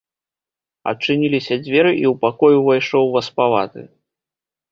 Адчыніліся дзверы, і ў пакой увайшоў васпаваты.